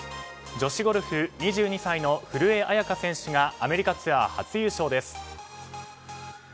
女子ゴルフ、２２歳の古江彩佳選手がアメリカツアー初優勝です。